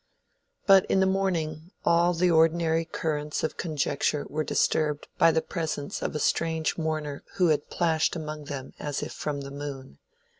But in the morning all the ordinary currents of conjecture were disturbed by the presence of a strange mourner who had plashed among them as if from the moon.